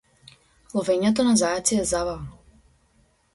Ловењето на зајаци е забавно.